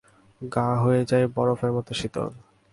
গা হয়ে যায় বরফের মতো শীতল।